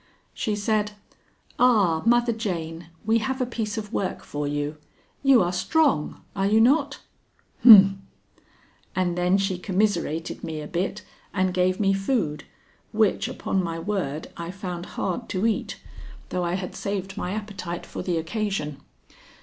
"She said: 'Ah, Mother Jane, we have a piece of work for you. You are strong, are you not?'" "Humph!" "And then she commiserated me a bit and gave me food which, upon my word, I found hard to eat, though I had saved my appetite for the occasion.